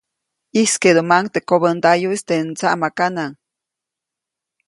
ʼYijskeʼdumaʼuŋ teʼ kobändayuʼis teʼ ndsaʼmakanaŋ.